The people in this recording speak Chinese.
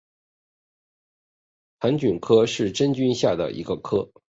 盘菌科是真菌下的一个科。